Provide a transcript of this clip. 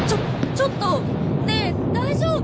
ちょっと！ねぇ大丈夫？